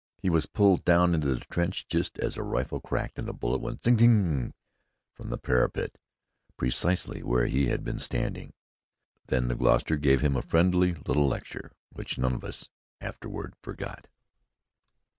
He was pulled down into the trench just as a rifle cracked and a bullet went zing g g from the parapet precisely where he had been standing. Then the Gloucester gave him a friendly little lecture which none of us afterward forgot.